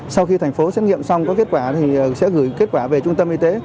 sau khi thành phố xét nghiệm xong có kết quả thì sẽ gửi kết quả về trung tâm y tế